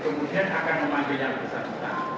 kemudian akan memanggil yang besar besar